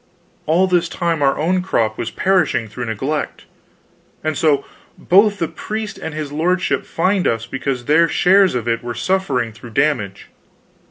All this time our own crop was perishing through neglect; and so both the priest and his lordship fined us because their shares of it were suffering through damage.